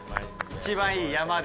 一番いい山で。